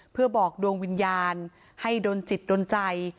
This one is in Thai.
เพื่อบอกดวงวิญญาณให้ดนจิตดนใจ